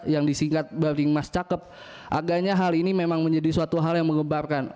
yang disingkat building mas cakep agaknya hal ini memang menjadi suatu hal yang mengembarkan